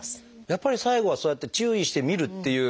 やっぱり最後はそうやって注意してみるっていう